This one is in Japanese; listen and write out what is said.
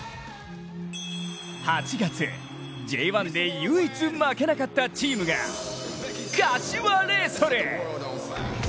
８月、Ｊ１で唯一負けなかったチームが柏レイソル！